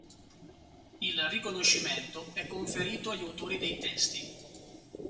Il riconoscimento è conferito agli autori dei testi.